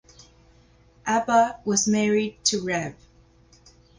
Abba was married to Rev.